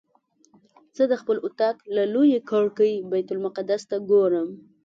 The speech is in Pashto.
زه د خپل اطاق له لویې کړکۍ بیت المقدس ته ګورم.